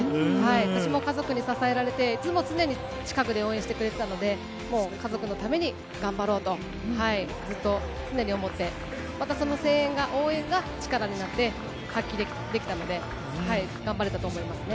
私も家族に支えられて、いつも常に近くで応援してくれてたので、もう家族のために頑張ろうと、ずっと常に思って、またその声援が、応援が力になって発揮できたので、頑張れたと思いますね。